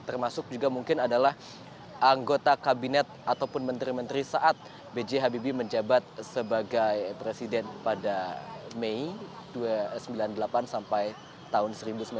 termasuk juga mungkin adalah anggota kabinet ataupun menteri menteri saat b j habibie menjabat sebagai presiden pada mei seribu sembilan ratus sembilan puluh delapan sampai tahun seribu sembilan ratus sembilan puluh